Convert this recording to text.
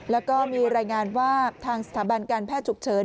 แล้วก็มีรายงานว่าทางสถาบันการแพทย์ฉุกเฉิน